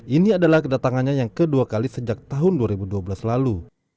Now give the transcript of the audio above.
ini adalah kedatangannya yang kedua kali sejak tahun dua ribu dua belas lalu